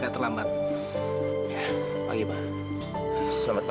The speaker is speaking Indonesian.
saya peduli perempuan